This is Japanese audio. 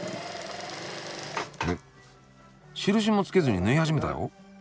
えっ印も付けずに縫い始めたよ。